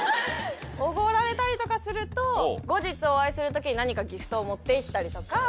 おごられたりとかすると後日お会いする時に何かギフトを持っていったりとか。